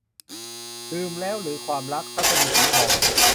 ลืมแล้วหรือความรัก - ทัศนีย์ สีทอง